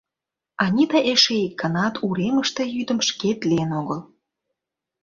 Анита эше ик ганат уремыште йӱдым шкет лийын огыл.